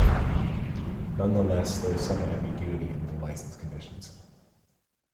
Nonetheless, there is some ambiguity in the licence conditions.